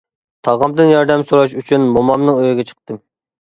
تاغامدىن ياردەم سوراش ئۈچۈن مومامنىڭ ئۆيىگە چىقتىم.